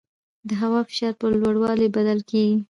د هوا فشار په لوړوالي بدل کېږي.